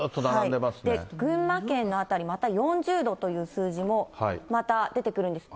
群馬県の辺り、また４０度という数字も、また出てくるんです。